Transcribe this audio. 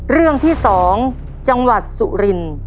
เรื่องที่๒จังหวัดสุรินทร์